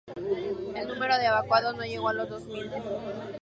El número de evacuados no llegó a los dos mil.